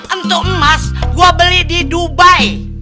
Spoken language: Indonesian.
untuk emas gue beli di dubai